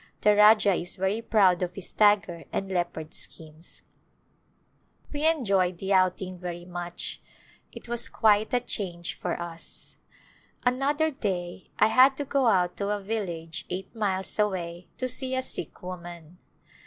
The Rajah is very proud of his tiger and leopard skins. We enjoyed the outing very much j it was quite a change for us. Another day I had to go out to a village eight miles away to see a sick woman.